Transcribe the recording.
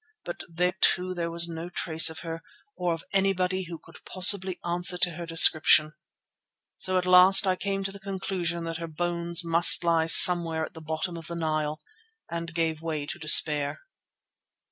But here, too, there was no trace of her or of anybody who could possibly answer to her description. So at last I came to the conclusion that her bones must lie somewhere at the bottom of the Nile, and gave way to despair."